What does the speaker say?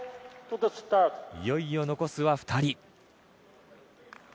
いよいよ残すは２人。